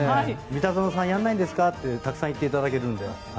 三田園さんやらないんですかってたくさん言っていただけるんで。